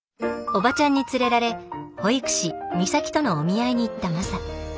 オバチャンに連れられ保育士美咲とのお見合いに行ったマサ。